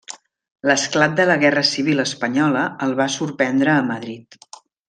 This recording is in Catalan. L'esclat de la Guerra Civil Espanyola el va sorprendre a Madrid.